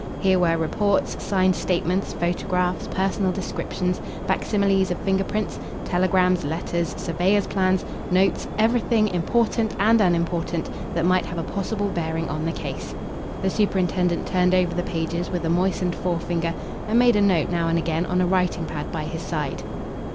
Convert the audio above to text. Here were reports, signed statements, photographs, personal descriptions, facsimiles of finger prints, telegrams, letters, surveyors' plans, notes everything, important and unimportant, that might have a possible bearing on the case. The superintendent turned over the pages with a moistened forefinger, and made a note now and again on a writing pad by his side.